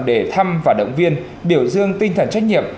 để thăm và động viên biểu dương tinh thần trách nhiệm